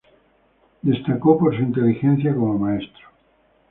Destacó por su inteligencia como maestro.